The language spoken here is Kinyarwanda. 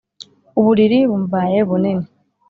Uburiri bumbaye bunini